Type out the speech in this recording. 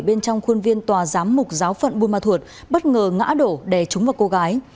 bên trong khuôn viên tòa giám mục giáo phận bunma thuộc bất ngờ ngã đổ đè chúng vào cô gái